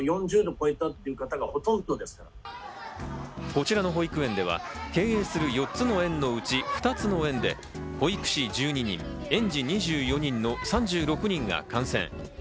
こちらの保育園では経営する４つ園のうち２つの園で保育士１２人、園児２４人の３６人が感染。